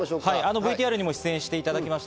ＶＴＲにも出演していただきました